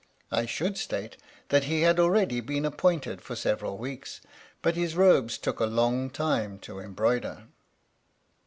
I should state that he had already been appointed for several weeks, but his robes took a long time to embroider.